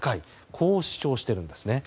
こう主張しているんですね。